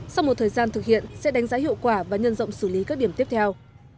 sau một thời gian thực hiện sẽ đánh giá hiệu quả và nhân rộng xử lý các điểm tiếp theo